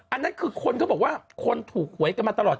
อันนั้นคือคนเขาบอกว่าคนถูกหวยกันมาตลอด